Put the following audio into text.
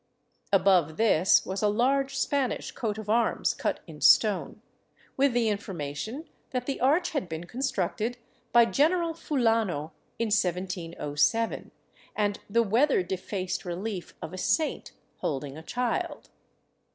Above this was a large Spanish coat of arms cut in stone, with the information that the arch had been constructed by General Fulano in 1707 ; and the weather defaced relief of a saint holding a child.